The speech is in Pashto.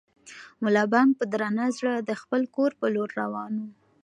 ملا بانګ په درانه زړه د خپل کور په لور روان و.